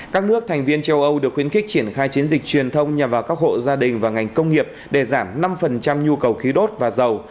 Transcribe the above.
các nước thành viên châu âu được khuyến khích triển khai chiến dịch truyền thông nhằm vào các hộ gia đình và ngành công nghiệp để giảm năm nhu cầu khí đốt và dầu